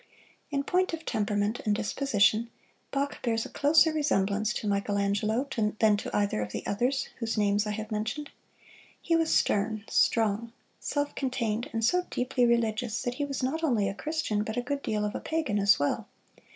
In point of temperament and disposition Bach bears a closer resemblance to Michelangelo than to either of the others whose names I have mentioned. He was stern, strong, self contained, and so deeply religious that he was not only a Christian but a good deal of a pagan as well.